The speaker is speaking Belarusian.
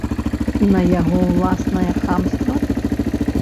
На яго ўласнае хамства?